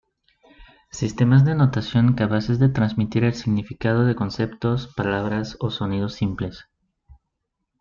Sistemas de notación capaces de transmitir el significado de conceptos, palabras o sonidos simples.